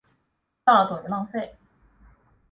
叫了等于浪费